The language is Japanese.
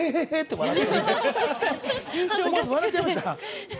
笑っちゃいました？